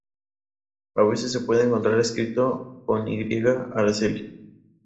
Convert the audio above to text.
A veces se puede encontrar escrito con 'Y': Aracely.